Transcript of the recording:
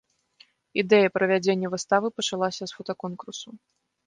Ідэя правядзення выставы пачалася з фотаконкурсу.